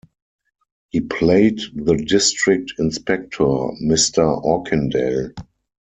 He played the district inspector, Mr Orkindale.